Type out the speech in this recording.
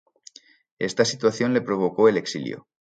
Esta situación le provocó el exilio.